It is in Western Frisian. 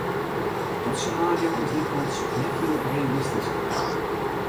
Dat senario is lykwols net hiel realistysk.